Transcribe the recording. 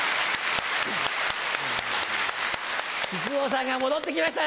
木久扇さんが戻ってきましたよ